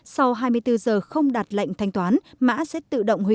sau hai mươi bốn giờ không đặt lệnh thanh toán mã sẽ tự động hủy